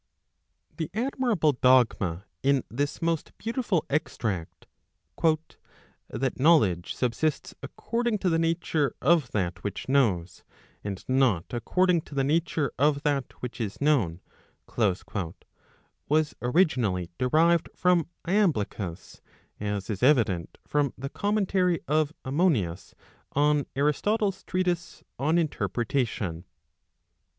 The admirable dogma in this most beautiful extract, " that knowledge subsists according to the nature of that which knows, and not according to the nature of that which is known/' was originally derived from Iamblichus, as is evident from the commentary of Aminonius on Aristotle's treatise On Interpretation.